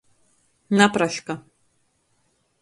Napraška.